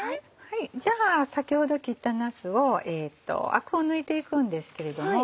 じゃあ先ほど切ったなすをアクを抜いていくんですけれども。